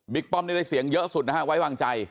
ป้อมนี่ได้เสียงเยอะสุดนะฮะไว้วางใจ